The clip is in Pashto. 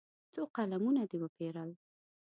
څو قلمونه دې وپېرل.